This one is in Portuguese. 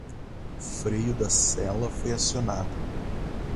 O freio da sela foi acionado